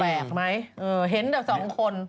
แปลกไหมเออเดี๋ยวเห็นแต่สองคน